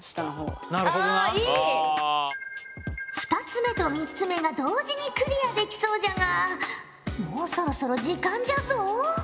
２つ目と３つ目が同時にクリアできそうじゃがもうそろそろ時間じゃぞ。